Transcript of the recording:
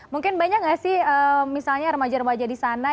mungkin banyak nggak sih misalnya remaja remaja di sana